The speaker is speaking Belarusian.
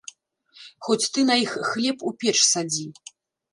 Хоць ты на іх хлеб у печ садзі.